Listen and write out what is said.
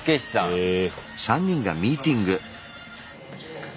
へえ。